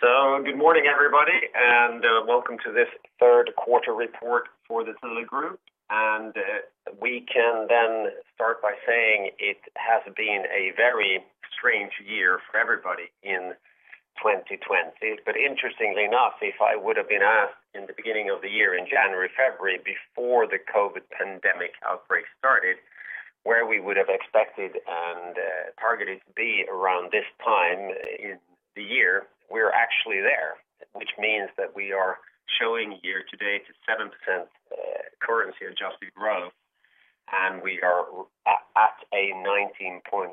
Good morning everybody, and welcome to this third quarter report for the Thule Group. We can then start by saying it has been a very strange year for everybody in 2020. Interestingly enough, if I would have been asked in the beginning of the year, in January, February, before the COVID pandemic outbreak started, where we would have expected and targeted to be around this time in the year, we're actually there, which means that we are showing year to date a 7% currency-adjusted growth, and we are at a 19.1%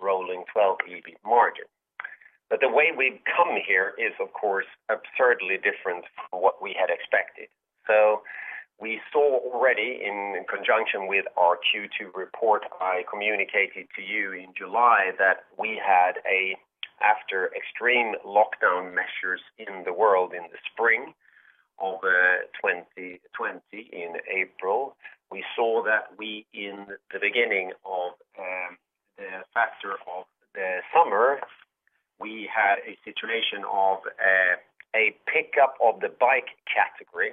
rolling 12 EBIT margin. The way we've come here is, of course, absurdly different from what we had expected. We saw already in conjunction with our Q2 report, I communicated to you in July that we had, after extreme lockdown measures in the world in the spring of 2020 in April, we saw that we in the beginning of the summer, we had a situation of a pickup of the bike category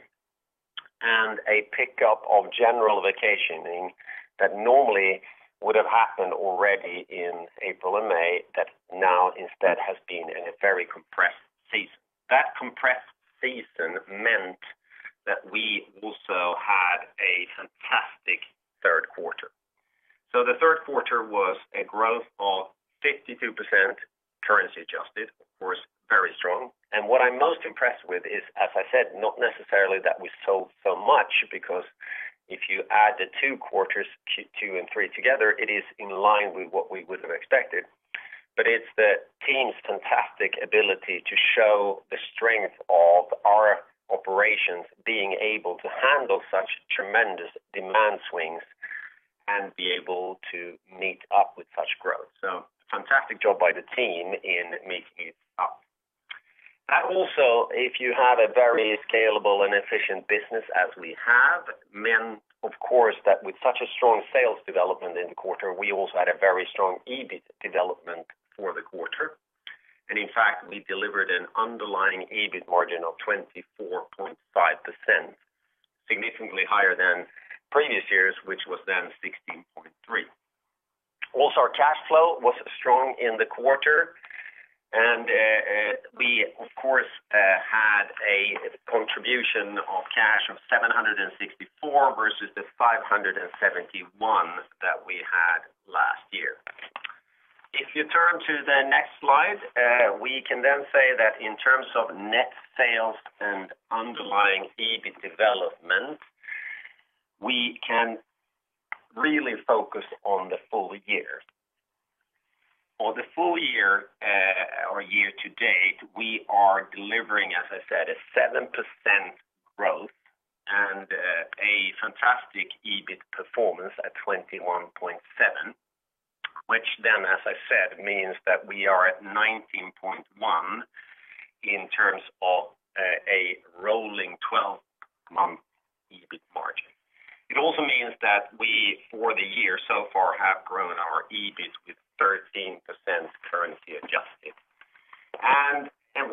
and a pickup of general vacationing that normally would have happened already in April and May that now instead has been in a very compressed season. That compressed season meant that we also had a fantastic third quarter. The third quarter was a growth of 52% currency adjusted, of course, very strong. What I'm most impressed with is, as I said, not necessarily that we sold so much, because if you add the two quarters, Q2 and Q3 together, it is in line with what we would have expected. It's the team's fantastic ability to show the strength of our operations, being able to handle such tremendous demand swings and be able to meet up with such growth. Fantastic job by the team in meeting it up. If you have a very scalable and efficient business as we have, meant, of course, that with such a strong sales development in the quarter, we also had a very strong EBIT development for the quarter. In fact, we delivered an underlying EBIT margin of 24.5%, significantly higher than previous years, which was then 16.3%. Our cash flow was strong in the quarter, and we of course, had a contribution of cash of 764 versus the 571 that we had last year. If you turn to the next slide, we can then say that in terms of net sales and underlying EBIT development, we can really focus on the full year. For the full year or year to date, we are delivering, as I said, a 7% growth and a fantastic EBIT performance at 21.7, which then, as I said, means that we are at 19.1 in terms of a rolling 12-month EBIT margin. It also means that we, for the year so far, have grown our EBIT with 13% currency adjusted.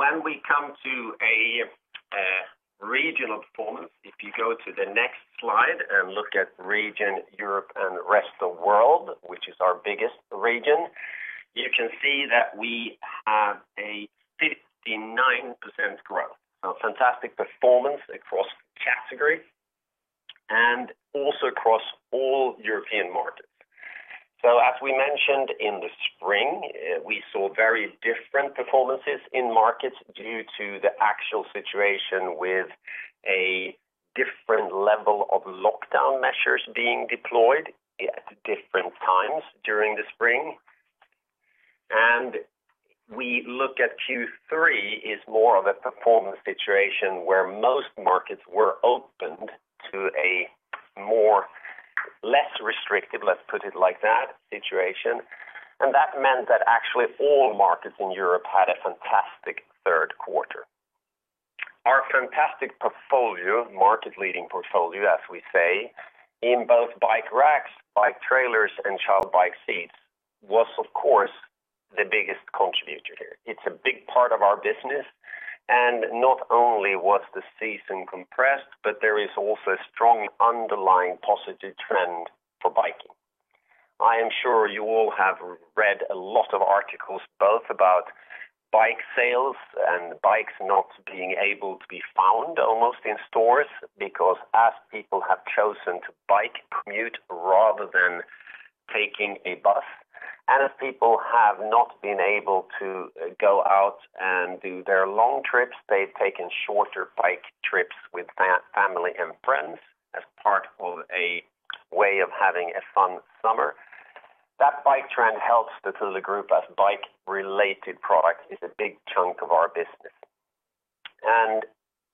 When we come to a regional performance, if you go to the next slide and look at region Europe and the rest of world, which is our biggest region, you can see that we have a 59% growth. So fantastic performance across category and also across all European markets. As we mentioned in the spring, we saw very different performances in markets due to the actual situation with a different level of lockdown measures being deployed at different times during the spring. We look at Q3 is more of a performance situation where most markets were opened to a more or less restrictive, let's put it like that, situation. That meant that actually all markets in Europe had a fantastic third quarter. Our fantastic portfolio, market leading portfolio, as we say, in both bike racks, bike trailers, and child bike seats, was of course the biggest contributor here. It's a big part of our business, and not only was the season compressed, but there is also a strong underlying positive trend for biking. I am sure you all have read a lot of articles both about bike sales and bikes not being able to be found almost in stores because as people have chosen to bike commute rather than taking a bus, and as people have not been able to go out and do their long trips, they've taken shorter bike trips with family and friends as part of a way of having a fun summer. That bike trend helps the Thule Group as bike-related products is a big chunk of our business.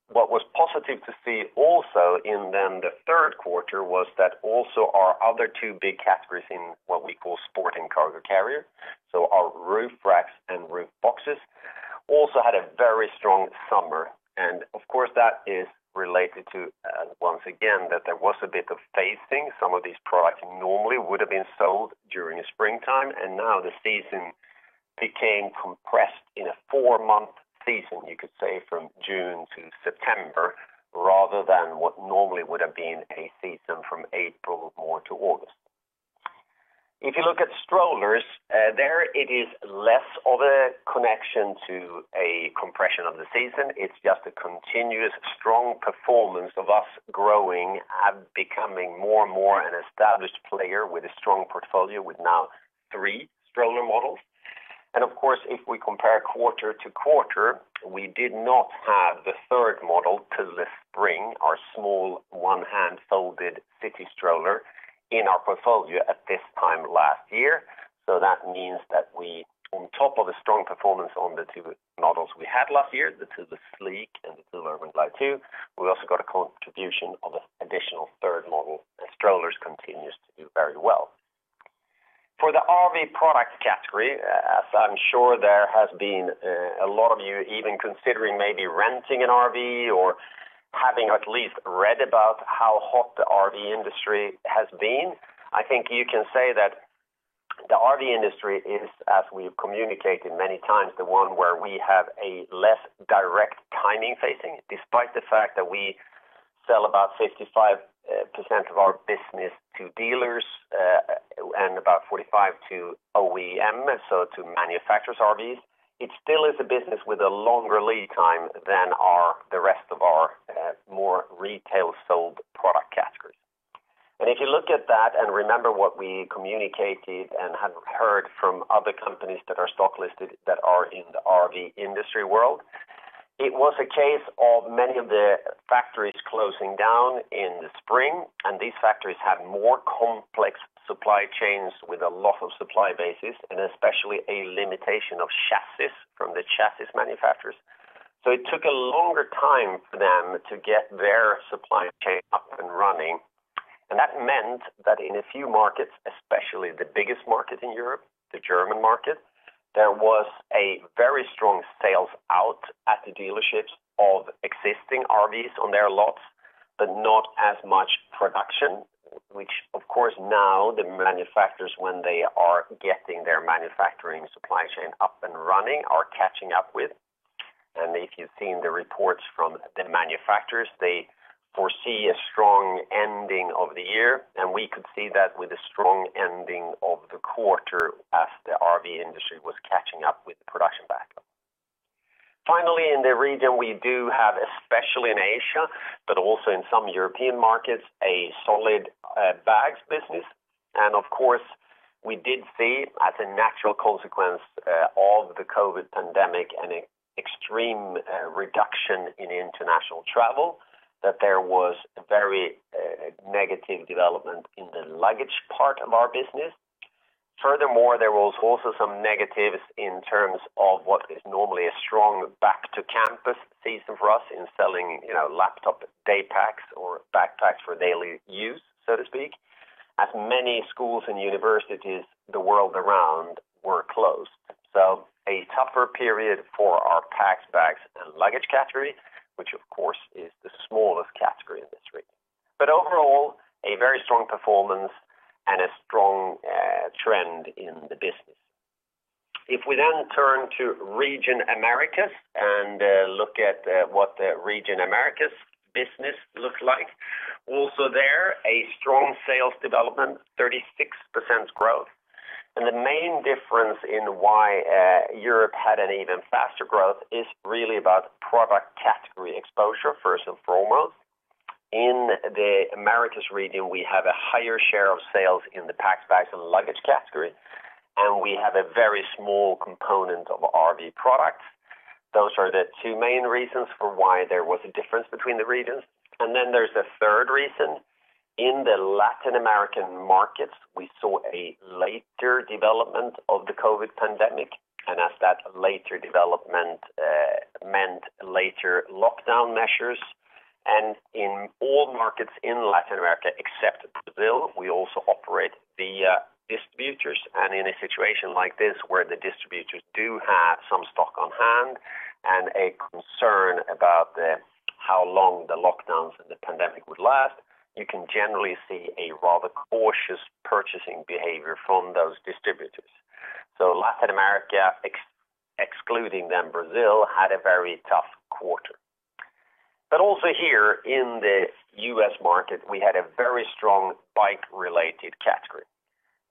What was positive to see also in the third quarter was that also our other two big categories in what we call Sport & Cargo Carriers, so our roof racks and roof boxes also had a very strong summer, and of course, that is related to, once again, that there was a bit of phasing. Some of these products normally would've been sold during the springtime, and now the season became compressed in a four-month season, you could say, from June to September, rather than what normally would've been a season from April more to August. If you look at strollers, there it is less of a connection to a compression of the season. It's just a continuous strong performance of us growing and becoming more and more an established player with a strong portfolio with now three stroller models. Of course, if we compare quarter-to-quarter, we did not have the third model, Thule Spring, our small one-hand folded city stroller in our portfolio at this time last year. That means that on top of the strong performance on the two models we had last year, the Thule Sleek and the Thule Urban Glide 2, we also got a contribution of an additional third model, and strollers continues to do very well. For the RV Products category, as I'm sure there has been a lot of you even considering maybe renting an RV or having at least read about how hot the RV industry has been, I think you can say that the RV industry is, as we have communicated many times, the one where we have a less direct timing phasing. Despite the fact that we sell about 55% of our business to dealers, and about 45% to OEM, so to manufacturers' RVs, it still is a business with a longer lead time than the rest of our more retail sold product categories. If you look at that and remember what we communicated and have heard from other companies that are stock listed that are in the RV industry world, it was a case of many of the factories closing down in the spring, and these factories had more complex supply chains with a lot of supply bases, and especially a limitation of chassis from the chassis manufacturers. It took a longer time for them to get their supply chain up and running, and that meant that in a few markets, especially the biggest market in Europe, the German market, there was a very strong sales out at the dealerships of existing RVs on their lots, but not as much production, which, of course, now the manufacturers, when they are getting their manufacturing supply chain up and running, are catching up with. If you've seen the reports from the manufacturers, they foresee a strong ending of the year, and we could see that with a strong ending of the quarter as the RV industry was catching up with the production backup. Finally, in the region, we do have, especially in Asia, but also in some European markets, a solid bags business. Of course, we did see as a natural consequence of the COVID pandemic and extreme reduction in international travel, that there was a very negative development in the luggage part of our business. Furthermore, there was also some negatives in terms of what is normally a strong back-to-campus season for us in selling laptop daypacks or backpacks for daily use, so to speak, as many schools and universities the world around were closed. A tougher period for our Packs, Bags & Luggage category, which of course is the smallest category in this region. Overall, a very strong performance and a strong trend in the business. If we then turn to region Americas and look at what the region Americas business looks like, also there, a strong sales development, 36% growth. The main difference in why Europe had an even faster growth is really about product category exposure, first and foremost. In the region Americas, we have a higher share of sales in the Packs, Bags & Luggage category, and we have a very small component of RV Products. Those are the two main reasons for why there was a difference between the regions. There's a third reason. In the Latin American markets, we saw a later development of the COVID pandemic. As that later development meant later lockdown measures. In all markets in Latin America except Brazil, we also operate the distributors. In a situation like this, where the distributors do have some stock on hand and a concern about how long the lockdowns and the pandemic would last, you can generally see a rather cautious purchasing behavior from those distributors. Latin America, excluding then Brazil, had a very tough quarter. Also here in the U.S. market, we had a very strong bike-related category.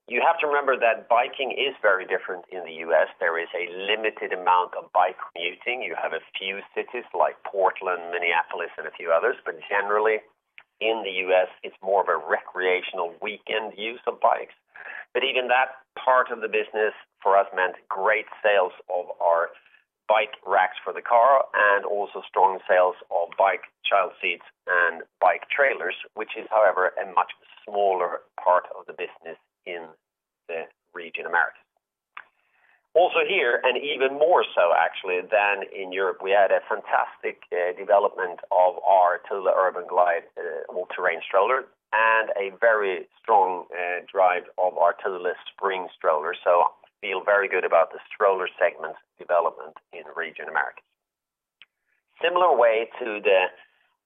You have to remember that biking is very different in the U.S. There is a limited amount of bike commuting. You have a few cities like Portland, Minneapolis, and a few others. Generally, in the U.S., it's more of a recreational weekend use of bikes. Even that part of the business for us meant great sales of our bike racks for the car and also strong sales of bike child seats and bike trailers, which is, however, a much smaller part of the business in the region Americas. Here, and even more so actually than in Europe, we had a fantastic development of our Thule Urban Glide all-terrain stroller and a very strong drive of our Thule Spring stroller. Feel very good about the stroller segment development in region Americas. Similar way to the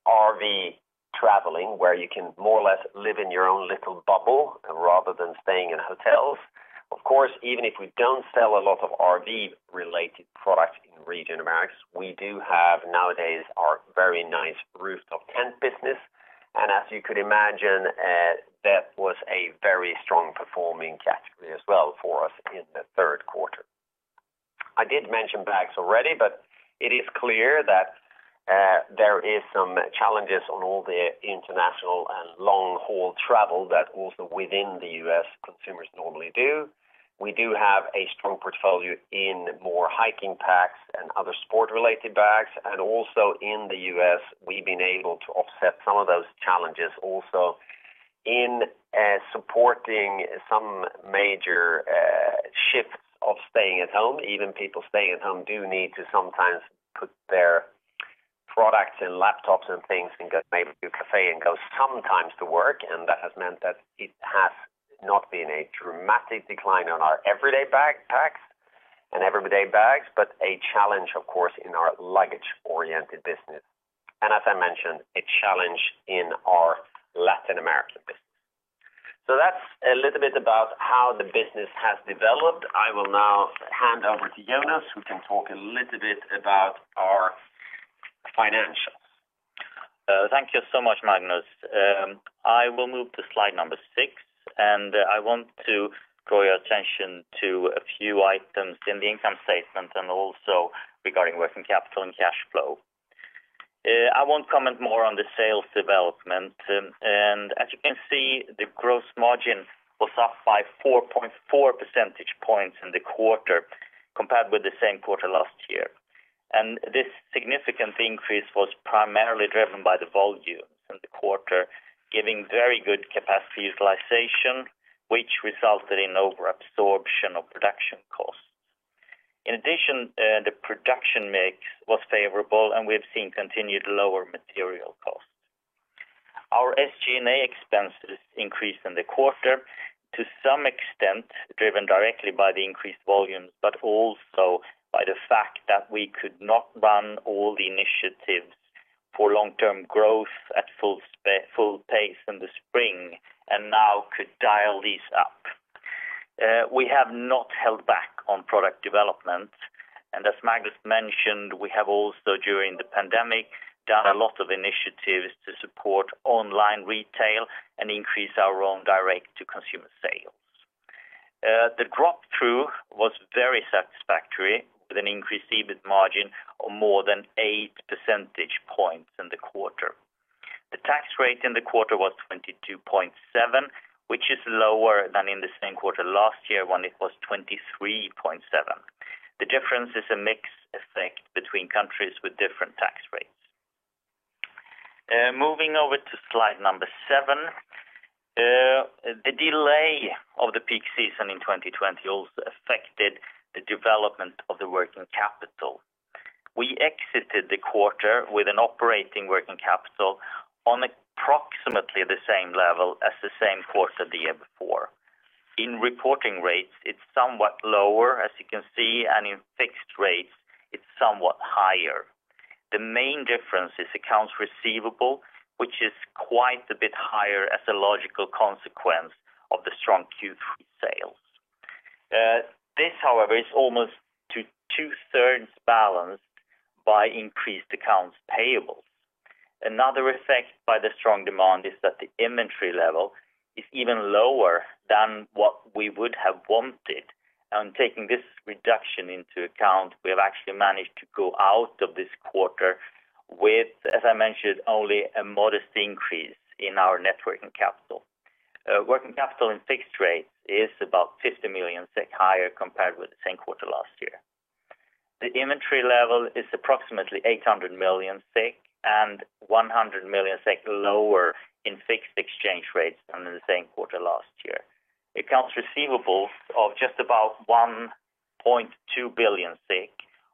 RV traveling, where you can more or less live in your own little bubble rather than staying in hotels. Even if we don't sell a lot of RV-related products in region Americas, we do have nowadays our very nice rooftop tent business. As you could imagine, that was a very strong performing category as well for us in the third quarter. I did mention bags already, it is clear that there is some challenges on all the international and long-haul travel that also within the U.S. consumers normally do. We do have a strong portfolio in more hiking packs and other sport-related bags. Also in the U.S., we've been able to offset some of those challenges also in supporting some major shifts of staying at home. Even people staying at home do need to sometimes put their products and laptops and things and maybe do café and go sometimes to work. That has meant that it has not been a dramatic decline on our everyday backpacks and everyday bags, but a challenge, of course, in our luggage-oriented business. As I mentioned, a challenge in our Latin American business. That's a little bit about how the business has developed. I will now hand over to Jonas, who can talk a little bit about our financials. Thank you so much, Magnus. I will move to slide number six. I want to draw your attention to a few items in the income statement and also regarding working capital and cash flow. I won't comment more on the sales development. As you can see, the gross margin was up by 4.4 percentage points in the quarter compared with the same quarter last year. This significant increase was primarily driven by the volume in the quarter, giving very good capacity utilization, which resulted in over-absorption of production costs. In addition, the production mix was favorable, and we've seen continued lower material costs. Our SG&A expenses increased in the quarter to some extent, driven directly by the increased volumes, but also by the fact that we could not run all the initiatives for long-term growth at full pace in the spring and now could dial these up. We have not held back on product development, and as Magnus mentioned, we have also during the pandemic, done a lot of initiatives to support online retail and increase our own direct-to-consumer sales. The drop-through was very satisfactory, with an increased EBIT margin of more than 8 percentage points in the quarter. The tax rate in the quarter was 22.7%, which is lower than in the same quarter last year when it was 23.7%. The difference is a mix effect between countries with different tax rates. Moving over to slide number seven. The delay of the peak season in 2020 also affected the development of the working capital. We exited the quarter with an operating working capital on approximately the same level as the same quarter the year before. In reporting rates, it's somewhat lower, as you can see, and in fixed rates, it's somewhat higher. The main difference is accounts receivable, which is quite a bit higher as a logical consequence of the strong Q3 sales. This, however, is almost to two-thirds balanced by increased accounts payables. Another effect by the strong demand is that the inventory level is even lower than what we would have wanted. Taking this reduction into account, we have actually managed to go out of this quarter with, as I mentioned, only a modest increase in our net working capital. Working capital in fixed rates is about 50 million SEK higher compared with the same quarter last year. The inventory level is approximately 800 million and 100 million lower in fixed exchange rates than in the same quarter last year. Accounts receivables of just about 1.2 billion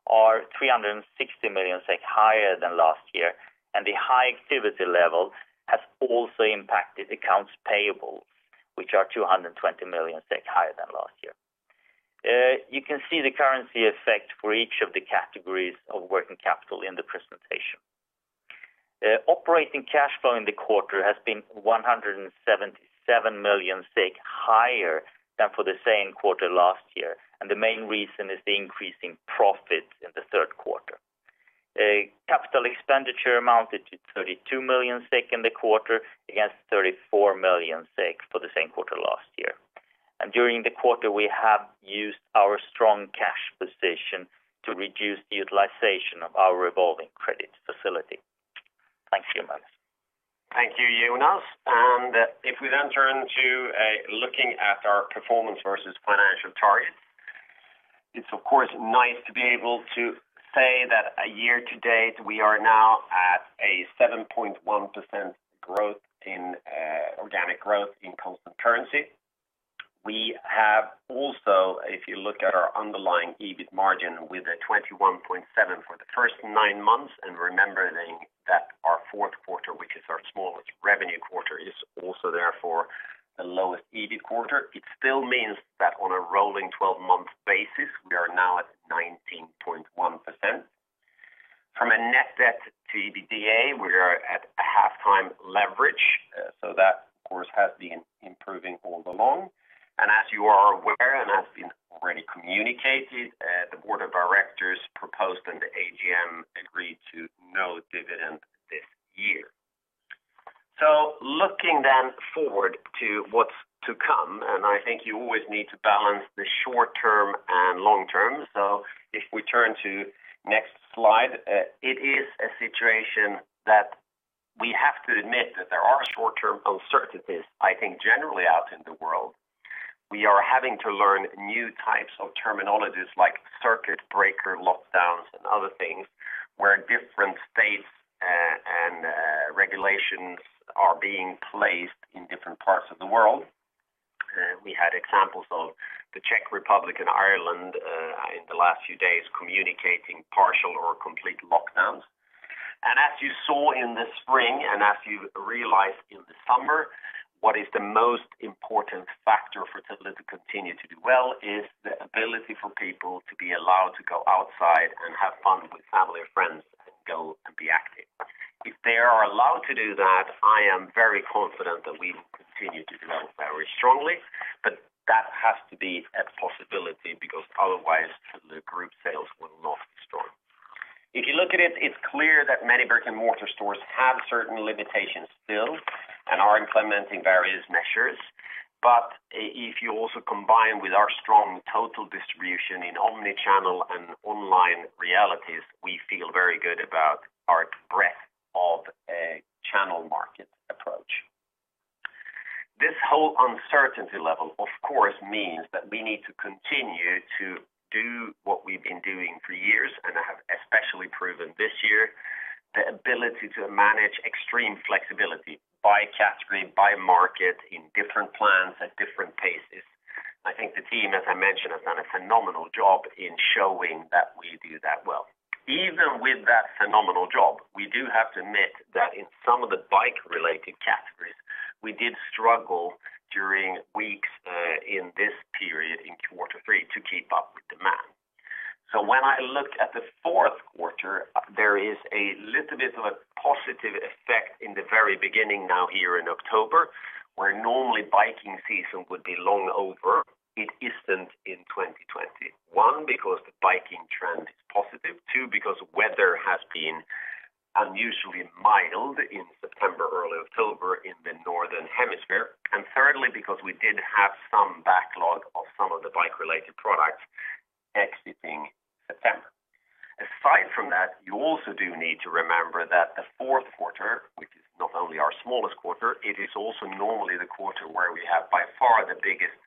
are 360 million higher than last year. The high activity level has also impacted accounts payable, which are 220 million higher than last year. You can see the currency effect for each of the categories of working capital in the presentation. Operating cash flow in the quarter has been 177 million higher than for the same quarter last year. The main reason is the increase in profits in the third quarter. Capital expenditure amounted to 32 million SEK in the quarter against 34 million SEK for the same quarter last year. During the quarter, we have used our strong cash position to reduce the utilization of our revolving credit facility. Thank you, Magnus. Thank you, Jonas. If we then turn to looking at our performance versus financial targets, it's of course nice to be able to say that a year-to-date, we are now at a 7.1% organic growth in constant currency. We have also, if you look at our underlying EBIT margin with a 21.7% for the first nine months, and remembering that our fourth quarter is also therefore the lowest EBIT quarter. It still means that on a rolling 12-month basis, we are now at 19.1%. From a net debt to EBITDA, we are at a half times leverage, that, of course, has been improving all along. As you are aware and has been already communicated, the board of directors proposed and the AGM agreed to no dividend this year. Looking then forward to what's to come, I think you always need to balance the short term and long term. If we turn to next slide, it is a situation that we have to admit that there are short-term uncertainties, I think, generally out in the world. We are having to learn new types of terminologies like circuit breaker lockdowns and other things, where different states and regulations are being placed in different parts of the world. We had examples of the Czech Republic and Ireland, in the last few days, communicating partial or complete lockdowns. As you saw in the spring, and as you realized in the summer, what is the most important factor for Thule to continue to do well is the ability for people to be allowed to go outside and have fun with family and friends, and go and be active. If they are allowed to do that, I am very confident that we will continue to develop very strongly, but that has to be a possibility, because otherwise, Thule Group sales will not restore. If you look at it's clear that many brick-and-mortar stores have certain limitations still and are implementing various measures. If you also combine with our strong total distribution in omni-channel and online realities, we feel very good about our breadth of a channel market approach. This whole uncertainty level, of course, means that we need to continue to do what we've been doing for years and have especially proven this year, the ability to manage extreme flexibility by category, by market, in different plans, at different paces. I think the team, as I mentioned, has done a phenomenal job in showing that we do that well. Even with that phenomenal job, we do have to admit that in some of the bike-related categories, we did struggle during weeks in this period in Q3 to keep up with demand. When I looked at the Q4, there is a little bit of a positive effect in the very beginning now here in October where normally biking season would be long over. It isn't in 2020. One, because the biking trend is positive. Two, because weather has been unusually mild in September, early October in the northern hemisphere. Thirdly, because we did have some backlog of some of the bike-related products exiting September. Aside from that, you also do need to remember that the fourth quarter, which is not only our smallest quarter, it is also normally the quarter where we have by far the biggest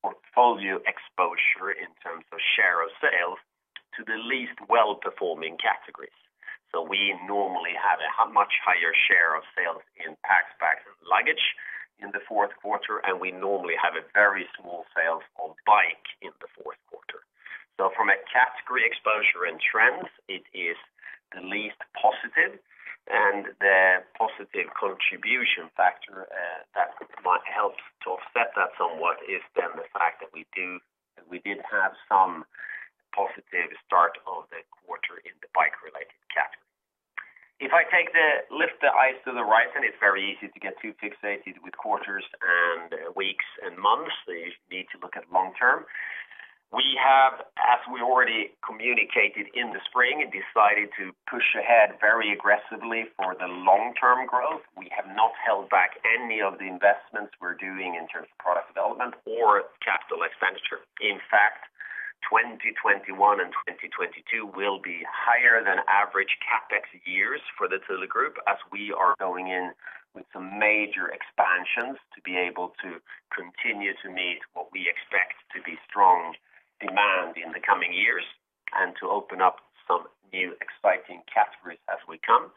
portfolio exposure in terms of share of sales to the least well-performing categories. We normally have a much higher share of sales in Packs, Bags & Luggage in the fourth quarter, and we normally have a very small sales on bike in the fourth quarter. From a category exposure and trends, it is the least positive and the positive contribution factor that might help to offset that somewhat is then the fact that we did have some positive start of the quarter in the bike-related category. If I lift the eyes to the right, and it's very easy to get too fixated with quarters and weeks and months. You need to look at long term. We have, as we already communicated in the spring, decided to push ahead very aggressively for the long-term growth. We have not held back any of the investments we're doing in terms of product development or capital expenditure. In fact, 2021 and 2022 will be higher than average CapEx years for the Thule Group as we are going in with some major expansions to be able to continue to meet what we expect to be strong demand in the coming years and to open up some new exciting categories as we come.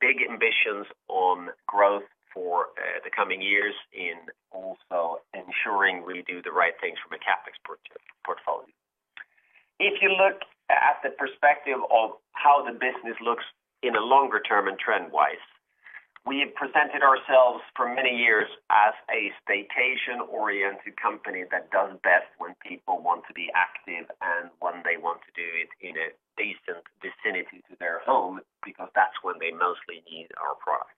Big ambitions on growth for the coming years in also ensuring we do the right things from a CapEx portfolio. If you look at the perspective of how the business looks in a longer term and trend-wise, we have presented ourselves for many years as a staycation-oriented company that does best when people want to be active and when they want to do it in a decent vicinity to their home because that's when they mostly need our product.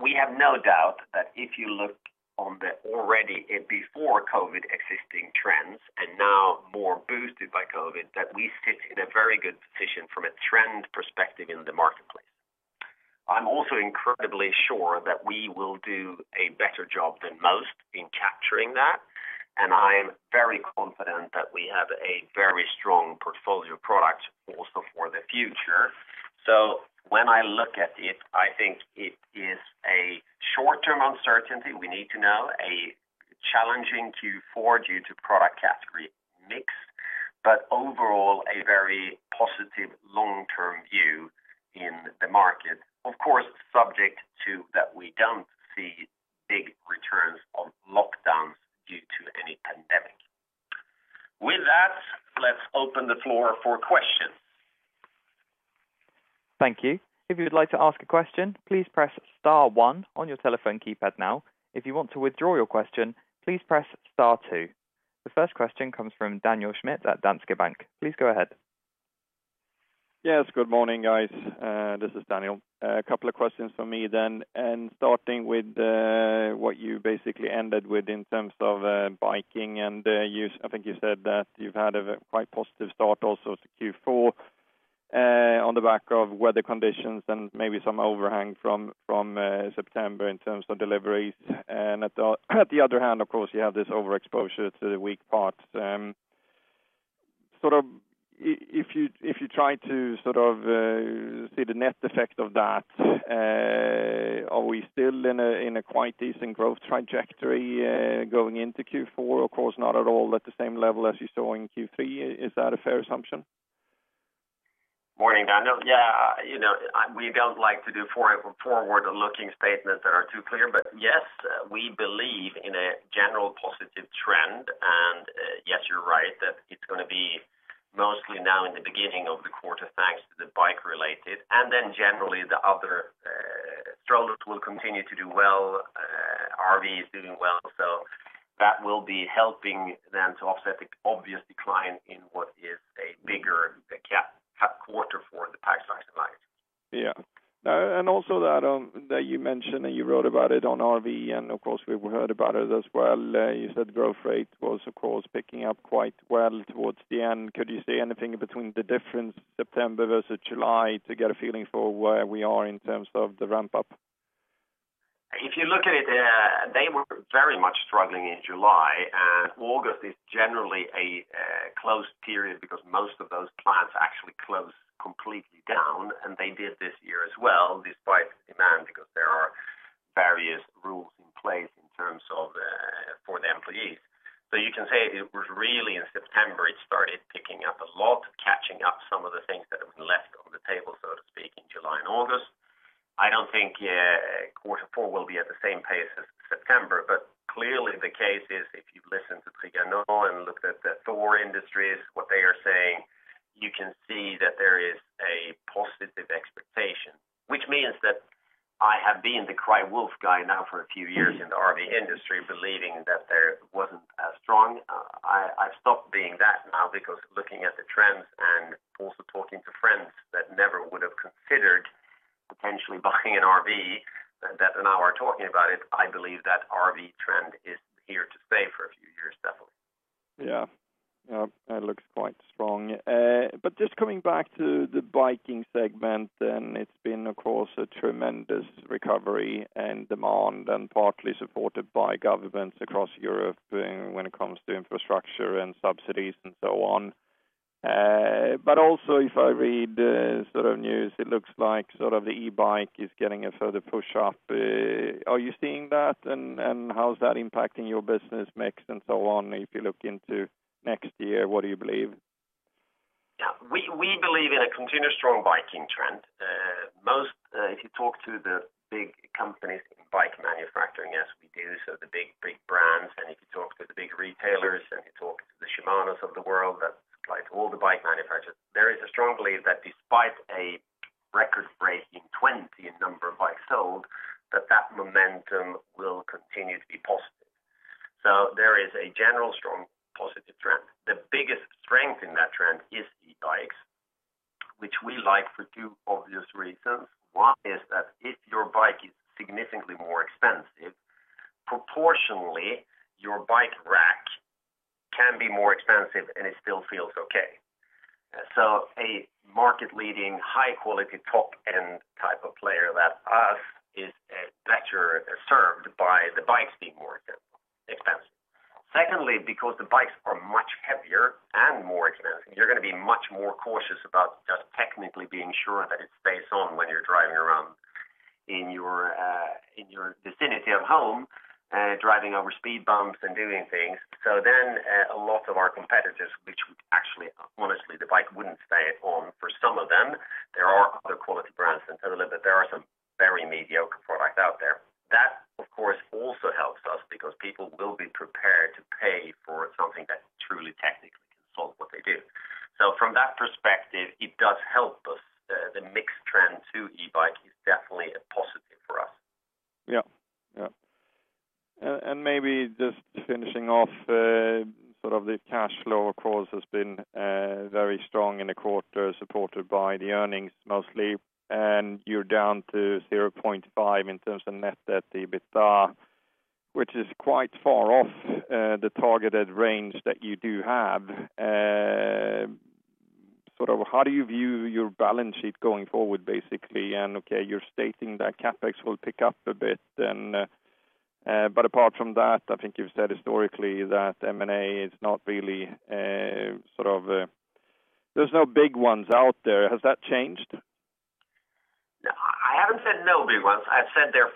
We have no doubt that if you look on the already before-COVID existing trends and now more boosted by COVID, that we sit in a very good position from a trend perspective in the marketplace. I'm also incredibly sure that we will do a better job than most in capturing that and I'm very confident that we have a very strong portfolio of products also for the future. When I look at it, I think it is a short-term uncertainty. We need to know a challenging Q4 due to product category mix, but overall a very positive long-term view in the market. Of course, subject to that we don't see big returns at lockdown due to pandemic. With that, let's open the floor for questions. Thank you. If you would like to ask a question, please press star one on your telephone keypad now. If you want to withdraw your question, please press star two. The first question comes from Daniel Schmidt at Danske Bank. Please go ahead. Yes. Good morning, guys. This is Daniel. A couple of questions from me then, starting with what you basically ended with in terms of biking and I think you said that you've had a quite positive start also to Q4 on the back of weather conditions and maybe some overhang from September in terms of deliveries. At the other hand, of course, you have this overexposure to the weak parts. If you try to see the net effect of that, are we still in a quite decent growth trajectory going into Q4? Of course not at all, at the same level as you saw in Q3. Is that a fair assumption? Morning, Daniel. We don't like to do forward-looking statements that are too clear. Yes, we believe in a general positive trend. Yes, you're right that it's going to be mostly now in the beginning of the quarter, thanks to the bike related, and then generally the other strollers will continue to do well. RV is doing well, so that will be helping then to offset the obvious decline in what is a bigger CapEx quarter for the Packs, Bags & Luggage. Yeah. Also that you mentioned and you wrote about it on RV, and of course, we've heard about it as well. You said growth rate was, of course, picking up quite well towards the end. Could you say anything between the difference September versus July to get a feeling for where we are in terms of the ramp-up? If you look at it, they were very much struggling in July, and August is generally a closed period because most of those plants actually close completely down, and they did this year as well, despite the demand, because there are various rules in place for the employees. You can say it was really in September, it started picking up a lot, catching up some of the things that have been left on the table, so to speak, in July and August. I don't think quarter four will be at the same pace as September, but clearly the case is, if you listen to Trigano and looked at the Thor Industries, what they are saying, you can see that there is a positive expectation. Which means that I have been the cry wolf guy now for a few years in the RV industry, believing that there wasn't as strong. I've stopped being that now because looking at the trends and also talking to friends that never would have considered potentially buying an RV, that now are talking about it, I believe that RV trend is here to stay for a few years, definitely. Yeah. It looks quite strong. Just coming back to the biking segment, and it's been, of course, a tremendous recovery and demand, and partly supported by governments across Europe when it comes to infrastructure and subsidies and so on. Also if I read news, it looks like the e-bike is getting a further push up. Are you seeing that? How is that impacting your business mix and so on? If you look into next year, what do you believe? We believe in a continuous strong biking trend. If you talk to the big companies in bike manufacturing, as we do, the big brands, and if you talk to the big retailers and you talk to the Shimano of the world that supply to all the bike manufacturers, there is a strong belief that despite a record-breaking 2020 in number of bikes sold, that that momentum will continue to be positive. There is a general strong positive trend. The biggest strength in that trend is e-bikes, which we like for two obvious reasons. One is that if your bike is significantly more expensive, proportionally your bike rack can be more expensive and it still feels okay. A market leading, high quality top-end type of player like us is better served by the bikes being more expensive. Secondly, because the bikes are much heavier and more expensive, you're going to be much more cautious about just technically being sure that it stays on when you're driving around in your vicinity of home, driving over speed bumps and doing things. A lot of our competitors, I haven't said no big ones. I've said they're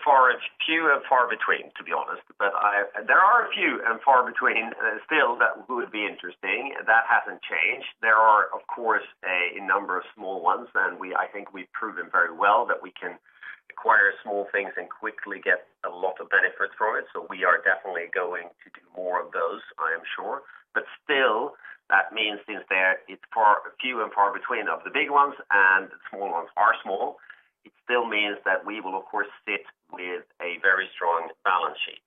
few and far between, to be honest. There are a few and far between still that would be interesting. That hasn't changed. There are, of course small ones, and I think we've proven very well that we can acquire small things and quickly get a lot of benefits from it, so we are definitely going to do more of those, I am sure. Still, that means since there it's far few and far between of the big ones and the small ones are small, it still means that we will, of course, sit with a very strong balance sheet.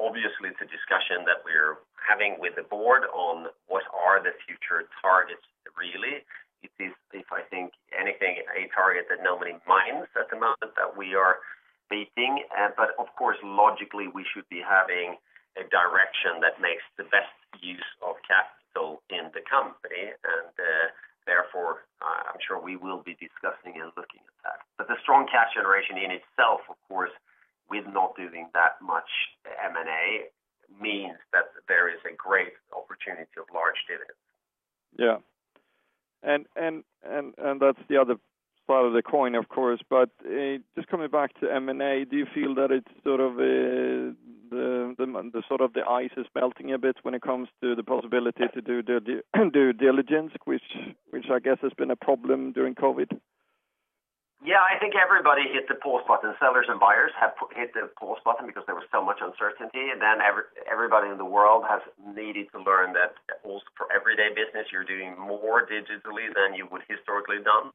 Obviously, it's a discussion that we're having with the board on what are the future targets really. It is, if I think anything, a target that nobody minds at the moment that we are beating. Of course, logically, we should be having a direction that makes the best use of capital in the company and, therefore, I am sure we will be discussing and looking at that. The strong cash generation in itself, of course, with not doing that much M&A means that there is a great opportunity of large dividends. Yeah. That's the other side of the coin, of course. Just coming back to M&A, do you feel that it's the ice is melting a bit when it comes to the possibility to do due diligence, which I guess has been a problem during COVID? Yeah, I think everybody hit the pause button. Sellers and buyers have hit the pause button because there was so much uncertainty. Everybody in the world has needed to learn that also for everyday business, you're doing more digitally than you would historically have done.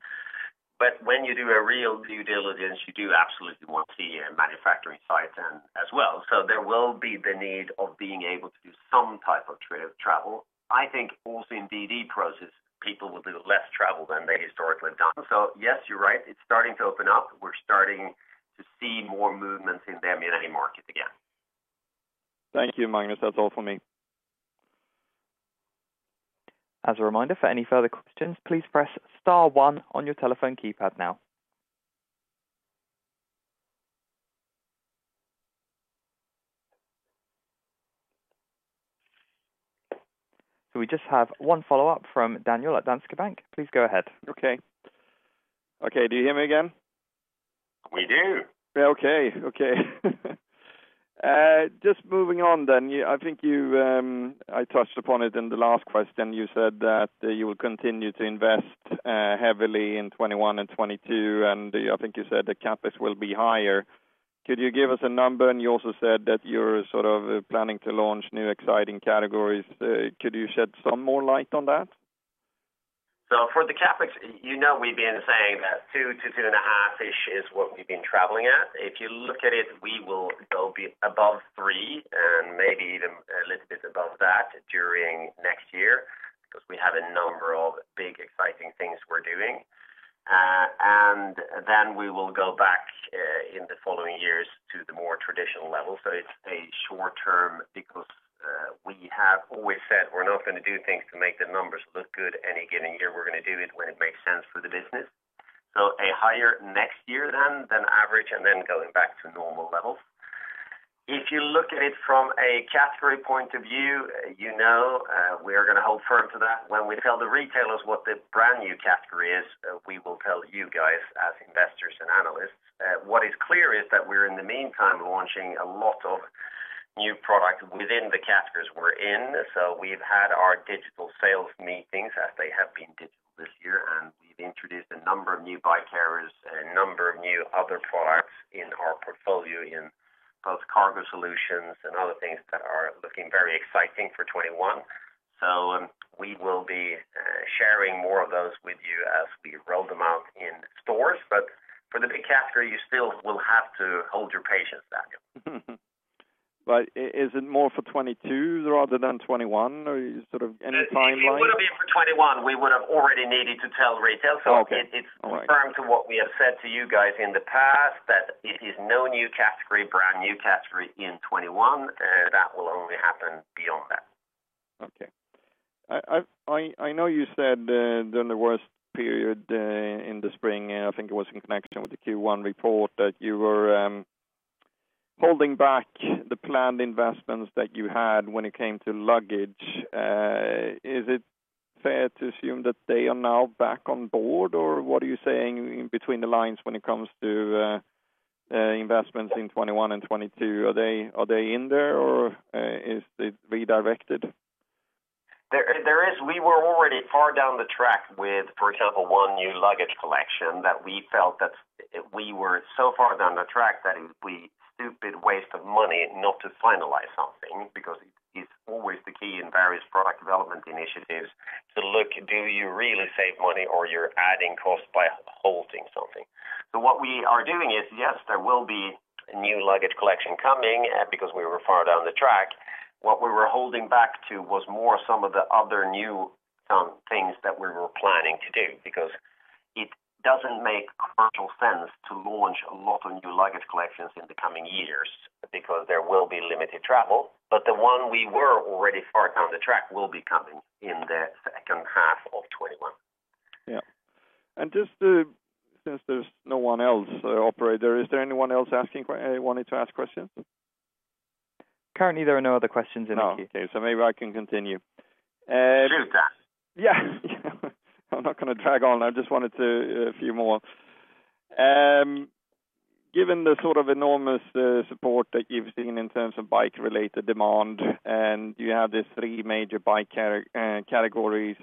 When you do a real due diligence, you do absolutely want to see a manufacturing site as well. There will be the need of being able to do some type of travel. I think also in DD process, people will do less travel than they historically have done. Yes, you're right. It's starting to open up. We're starting to see more movements in the M&A market again. Thank you, Magnus. That's all for me. As a reminder, for any further questions, please press star one on your telephone keypad now. We just have one follow-up from Daniel at Danske Bank. Please go ahead. Okay. Okay, do you hear me again? We do. Okay. Just moving on, I think I touched upon it in the last question, you said that you will continue to invest heavily in 2021 and 2022, and I think you said the CapEx will be higher. Could you give us a number? You also said that you're planning to launch new exciting categories. Could you shed some more light on that? For the CapEx, you know we've been saying that 2%-2.5% is what we've been traveling at. If you look at it, we will go be above 3% and maybe even a little bit above that during next year because we have a number of big exciting things we're doing. We will go back, in the following years, to the more traditional level. It's a short term because, we have always said we're not going to do things to make the numbers look good any given year. We're going to do it when it makes sense for the business. A higher next year then than average, and then going back to normal levels. If you look at it from a category point of view, you know we are going to hold firm to that. When we tell the retailers what the brand new category is, we will tell you guys as investors and analysts. What is clear is that we're, in the meantime, launching a lot of new product within the categories we're in. We've had our digital sales meetings, as they have been digital this year, and we've introduced a number of new bike carriers and a number of new other products in our portfolio in both cargo solutions and other things that are looking very exciting for 2021. We will be sharing more of those with you as we roll them out in stores. For the big category, you still will have to hold your patience back. Is it more for 2022 rather than 2021 or any timeline? It would've been for 2021. We would've already needed to tell retail. Okay. All right. It's firm to what we have said to you guys in the past, that it is no new category, brand new category in 2021. That will only happen beyond that. Okay. I know you said during the worst period, in the spring, I think it was in connection with the Q1 report, that you were holding back the planned investments that you had when it came to luggage. Is it fair to assume that they are now back on board, or what are you saying between the lines when it comes to investments in 2021 and 2022? Are they in there or is it redirected? We were already far down the track with, for example, one new luggage collection that we felt that we were so far down the track that it would be stupid waste of money not to finalize something because it's always the key in various product development initiatives to look, do you really save money or you're adding cost by holding something? What we are doing is, yes, there will be new luggage collection coming because we were far down the track. What we were holding back to was more some of the other new things that we were planning to do because it doesn't make commercial sense to launch a lot of new luggage collections in the coming years because there will be limited travel. The one we were already far down the track will be coming in the second half of 2021. Yeah. Just since there's no one else, operator, is there anyone else wanting to ask questions? Currently, there are no other questions in the queue. Oh, okay. Maybe I can continue. Sure thing. Yeah. I'm not going to drag on. I just wanted to a few more. Given the enormous support that you've seen in terms of bike-related demand, you have these three major bike categories,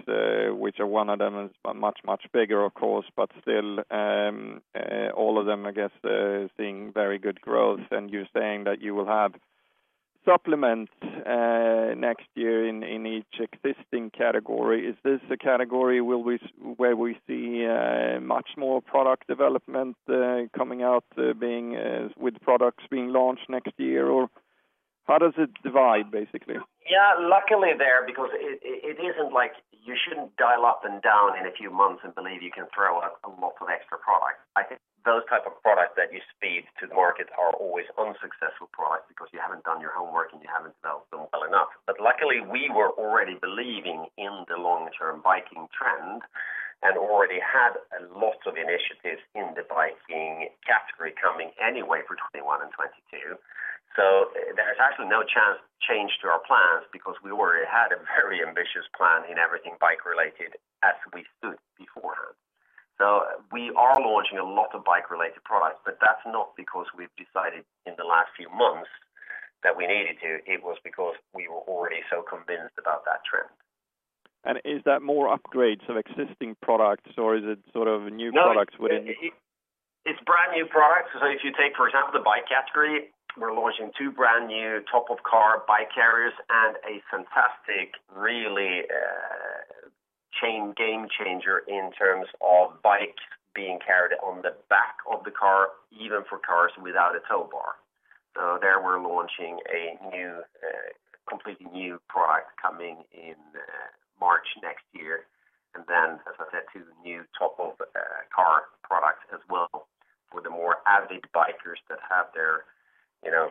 which one of them is much bigger, of course, but still, all of them, I guess, are seeing very good growth. You're saying that you will have supplements next year in each existing category. Is this a category where we see much more product development coming out with products being launched next year, or how does it divide, basically? Luckily there, because it isn't like you shouldn't dial up and down in a few months and believe you can throw a lot of extra product. I think those type of products that you speed to the market are always unsuccessful products because you haven't done your homework and you haven't developed them well enough. Luckily, we were already believing in the long-term biking trend and already had a lot of initiatives in the biking category coming anyway for 2021 and 2022. There's actually no change to our plans because we already had a very ambitious plan in everything bike-related as we stood beforehand. We are launching a lot of bike-related products, but that's not because we've decided in the last few months that we needed to, it was because we were already so convinced about that trend. Is that more upgrades of existing products, or is it new products within? No, it's brand new products. If you take, for example, the bike category, we're launching two brand new top of car bike carriers and a fantastic, really game changer in terms of bike being carried on the back of the car, even for cars without a tow bar. There we're launching a completely new product coming in March next year. As I said, two new top of car products as well for the more avid bikers that have their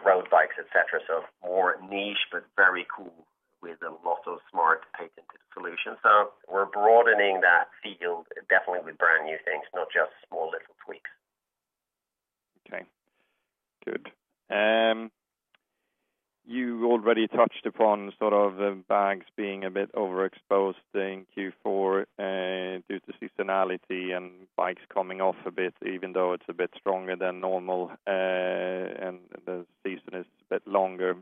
road bikes, et cetera. More niche, but very cool with a lot of smart patented solutions. We're broadening that field definitely with brand new things, not just small little tweaks. Okay. Good. You already touched upon bags being a bit overexposed in Q4, due to seasonality and bikes coming off a bit, even though it's a bit stronger than normal and the season is a bit longer.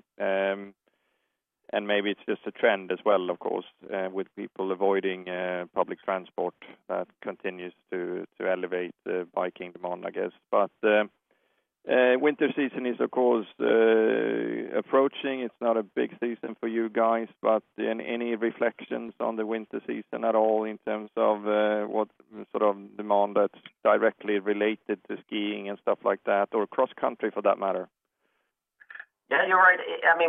Maybe it's just a trend as well, of course, with people avoiding public transport that continues to elevate biking demand, I guess. Winter season is, of course, approaching. It's not a big season for you guys, but any reflections on the winter season at all in terms of what sort of demand that's directly related to skiing and stuff like that, or cross-country for that matter? Yeah, you're right.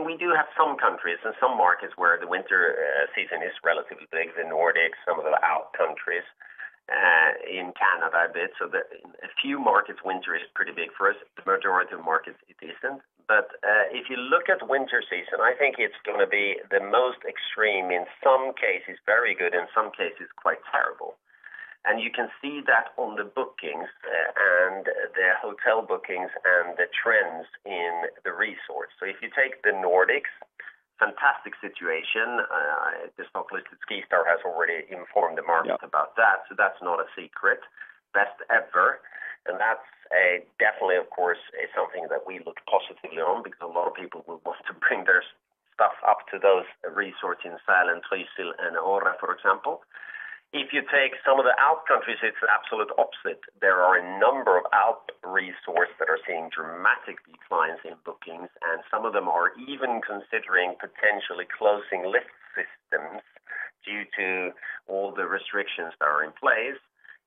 We do have some countries and some markets where the winter season is relatively big, the Nordics, some of the Alp countries, in Canada a bit. A few markets, winter is pretty big for us. The majority of markets, it isn't. If you look at winter season, I think it's going to be the most extreme, in some cases very good, in some cases quite terrible. You can see that on the bookings and the hotel bookings and the trends in the resorts. If you take the Nordics, fantastic situation. Just not least that SkiStar has already informed the market about that's not a secret. Best ever. That's definitely, of course, something that we look positively on because a lot of people will want to bring their stuff up to those resorts in Sälen, Trysil, and Åre, for example. If you take some of the Alp countries, it's the absolute opposite. There are a number of Alp resorts that are seeing dramatic declines in bookings, and some of them are even considering potentially closing lift systems due to all the restrictions that are in place.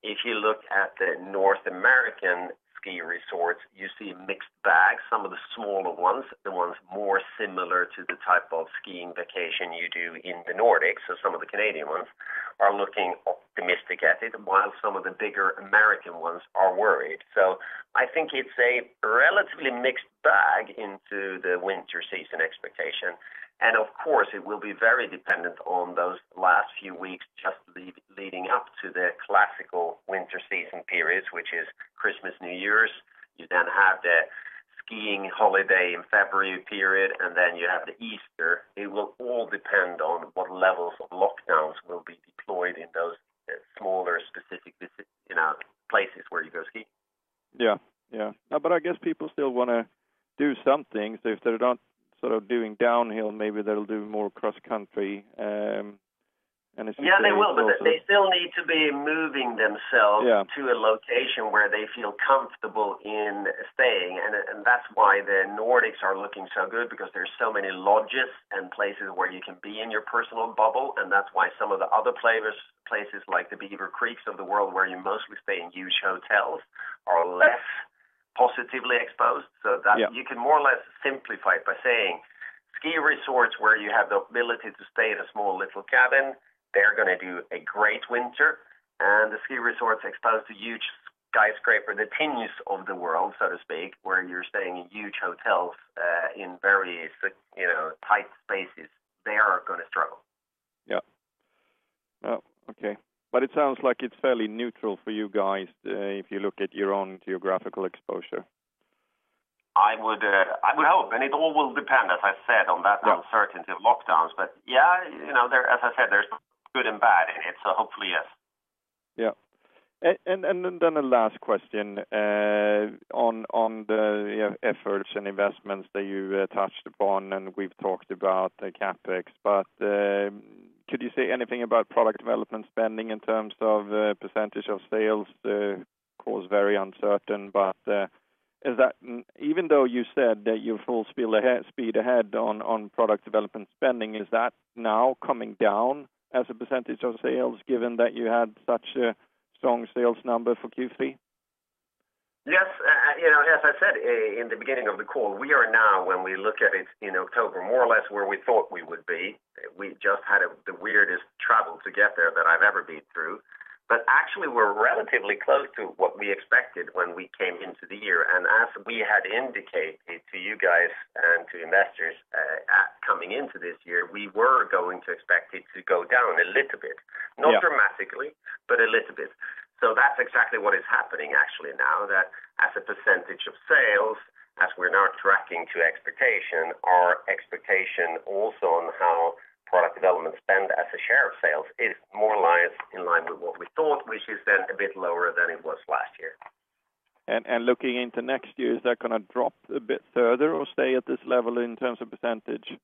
If you look at the North American ski resorts, you see a mixed bag. Some of the smaller ones, the ones more similar to the type of skiing vacation you do in the Nordics, so some of the Canadian ones, are looking optimistic at it, while some of the bigger American ones are worried. I think it's a relatively mixed bag into the winter season expectation. Of course, it will be very dependent on those last few weeks just leading up to the classical winter season periods, which is Christmas, New Year's. You have the skiing holiday in February period, and then you have the Easter. It will all depend on what levels of lockdowns will be deployed in those smaller specific places where you go skiing. Yeah. I guess people still want to do something. If they're not doing downhill, maybe they'll do more cross-country. It's the same- Yeah, they will, but they still need to be moving themselves- Yeah to a location where they feel comfortable in staying. That's why the Nordics are looking so good because there's so many lodges and places where you can be in your personal bubble, and that's why some of the other places like the Beaver Creeks of the world where you mostly stay in huge hotels are less positively exposed- Yeah you can more or less simplify it by saying ski resorts where you have the ability to stay in a small little cabin, they're going to do a great winter. The ski resorts exposed to huge skyscraper, the Tignes of the world, so to speak, where you're staying in huge hotels in very tight spaces, they are going to struggle. Yeah. Okay. It sounds like it's fairly neutral for you guys if you look at your own geographical exposure. I would hope. It all will depend, as I said, on that uncertainty of lockdowns. Yes, as I said, there's good and bad in it. Hopefully, yes. Yeah. The last question on the efforts and investments that you touched upon, and we've talked about the CapEx, but could you say anything about product development spending in terms of percentage of sales? Of course, very uncertain, but even though you said that you're full speed ahead on product development spending, is that now coming down as a percentage of sales given that you had such a strong sales number for Q3? Yes. As I said in the beginning of the call, we are now, when we look at it in October, more or less where we thought we would be. We just had the weirdest travel to get there that I've ever been through. Actually, we're relatively close to what we expected when we came into the year. As we had indicated to you guys and to investors coming into this year, we were going to expect it to go down a little bit. Yeah. Not dramatically, but a little bit. That's exactly what is happening actually now that as a percentage of sales, as we're now tracking to expectation, our expectation also on how product development spend as a share of sales is more or less in line with what we thought, which is then a bit lower than it was last year. Looking into next year, is that going to drop a bit further or stay at this level in terms of percentage?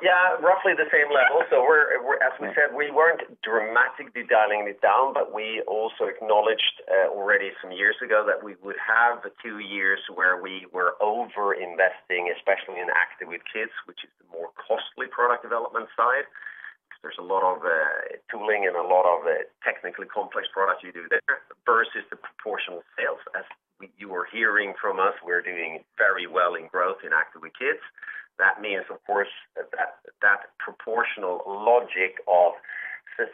Roughly the same level. As we said, we weren't dramatically dialing it down, but we also acknowledged already some years ago that we would have the two years where we were over-investing, especially in Active with Kids, which is the more costly product development side. There's a lot of tooling and a lot of technically complex products you do there versus the proportional sales. As you are hearing from us, we're doing very well in growth in Active with Kids. That means, of course, that proportional logic of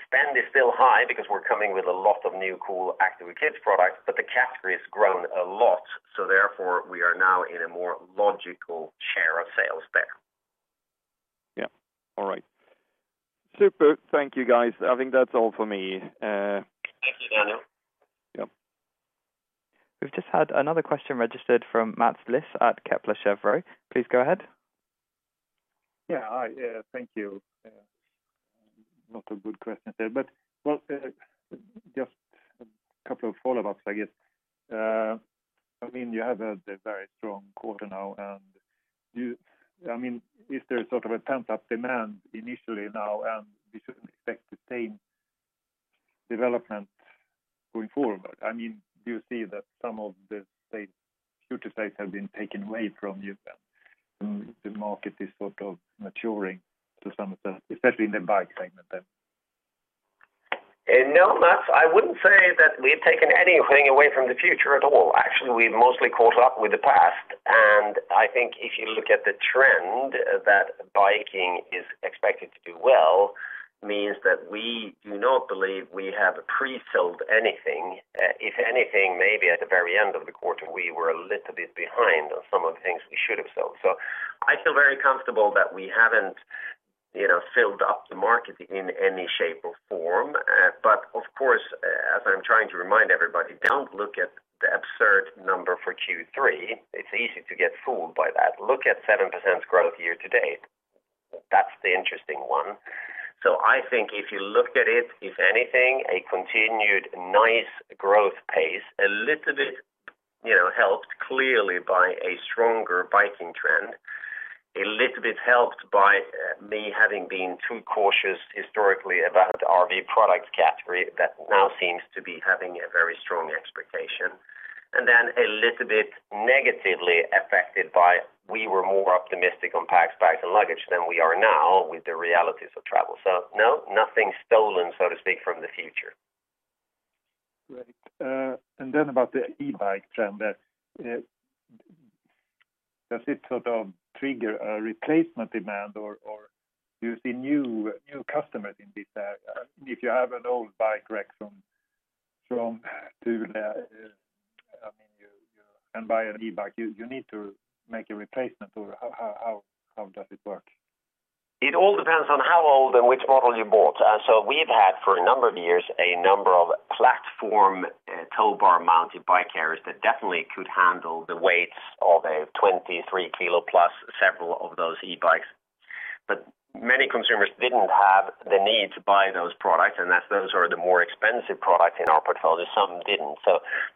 spend is still high because we're coming with a lot of new cool Active with Kids products, but the category has grown a lot. Therefore, we are now in a more logical share of sales there. Yeah. All right. Super. Thank you, guys. I think that's all for me. Thank you, Daniel. Yep. We've just had another question registered from Mats Liss at Kepler Cheuvreux. Please go ahead. Thank you. Now, a good question there, just a couple of follow-ups, I guess. You have a very strong quarter now. If there's sort of a pent-up demand initially now and we shouldn't expect the same development going forward. Do you see that some of the future sales have been taken away from you, then, the market is sort of maturing to some extent, especially in the bike segment, then? Mats, I wouldn't say that we've taken anything away from the future at all. We've mostly caught up with the past, and I think if you look at the trend that biking is expected to do well means that we do not believe we have pre-sold anything. Maybe at the very end of the quarter, we were a little bit behind on some of the things we should have sold. I feel very comfortable that we haven't filled up the market in any shape or form. Of course, as I'm trying to remind everybody, don't look at the absurd number for Q3. It's easy to get fooled by that. Look at 7% growth year-to-date. That's the interesting one. I think if you look at it, if anything, a continued nice growth pace, a little bit helped clearly by a stronger biking trend, a little bit helped by me having been too cautious historically about our bike product category that now seems to be having a very strong expectation. Then a little bit negatively affected by we were more optimistic on Packs, Bags & Luggage than we are now with the realities of travel. No, nothing stolen, so to speak, from the future. Great. About the e-bike trend, does it sort of trigger a replacement demand or do you see new customers in this? If you have an old bike rack from Thule and buy an e-bike, you need to make a replacement or how does it work? It all depends on how old and which model you bought. We've had, for a number of years, a number of platform towbar-mounted bike carriers that definitely could handle the weights of a 23 kg plus several of those e-bikes. Many consumers didn't have the need to buy those products, and as those are the more expensive products in our portfolio, some didn't.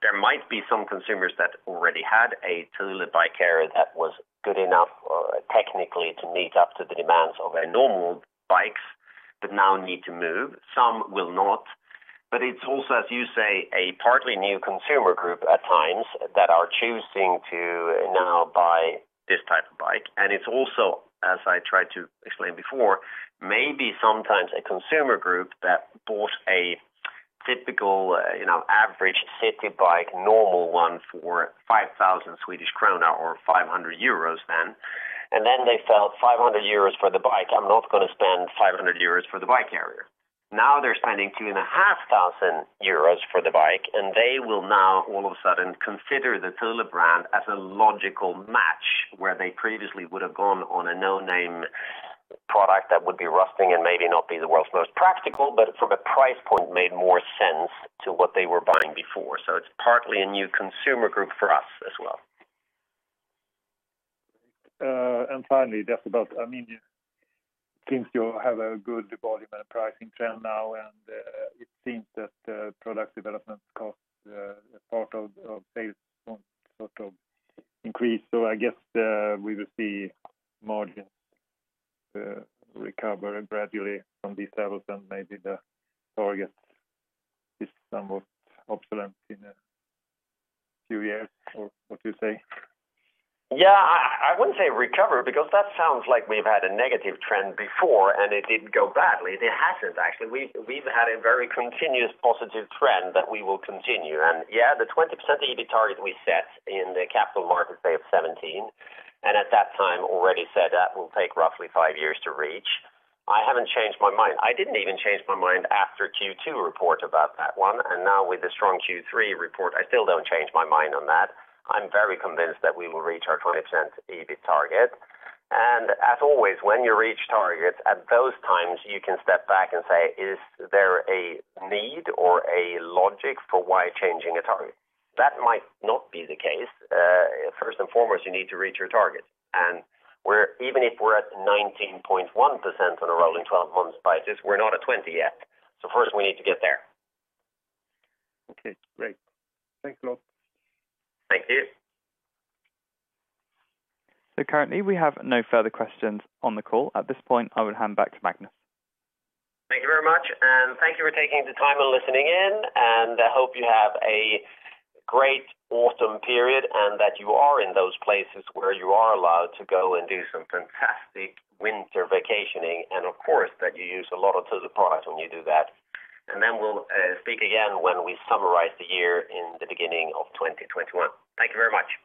There might be some consumers that already had a Thule bike carrier that was good enough or technically to meet up to the demands of their normal bikes that now need to move. Some will not, but it's also, as you say, a partly new consumer group at times that are choosing to now buy this type of bike. It's also, as I tried to explain before, maybe sometimes a consumer group that bought a typical average city bike, normal one for 5,000 Swedish krona or 500 euros then, and then they felt 500 euros for the bike, I'm not going to spend 500 euros for the bike carrier. Now they're spending 2,500 euros for the bike, and they will now all of a sudden consider the Thule brand as a logical match, where they previously would have gone on a no-name product that would be rusting and maybe not be the world's most practical, but from a price point made more sense to what they were buying before. It's partly a new consumer group for us as well. Great. Finally, just about, I mean, it seems you have a good volume and pricing trend now, and it seems that product development costs part of base sort of increase. I guess we will see margins recover gradually from these levels and maybe the targets is somewhat optimistic in a few years or what you say? I wouldn't say recover because that sounds like we've had a negative trend before and it didn't go badly. It hasn't actually. We've had a very continuous positive trend that we will continue. The 20% EBIT target we set in the Capital Markets Day of 2017, and at that time already said that will take roughly five years to reach. I haven't changed my mind. I didn't even change my mind after Q2 report about that one. Now with the strong Q3 report, I still don't change my mind on that. I'm very convinced that we will reach our 20% EBIT target. As always, when you reach targets, at those times you can step back and say, "Is there a need or a logic for why changing a target?" That might not be the case. First and foremost, you need to reach your target. Even if we're at 19.1% on a rolling 12 months basis, we're not at 20 yet. First we need to get there. Okay, great. Thanks a lot. Thank you. Currently we have no further questions on the call. At this point, I will hand back to Magnus. Thank you very much. Thank you for taking the time and listening in. I hope you have a great autumn period and that you are in those places where you are allowed to go and do some fantastic winter vacationing, and of course, that you use a lot of Thule products when you do that. We'll speak again when we summarize the year in the beginning of 2021. Thank you very much.